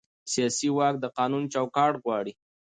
سیاسي واک د قانون چوکاټ غواړي